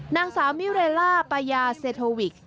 นางสาวมิเรลล่าปายาเซโทวิก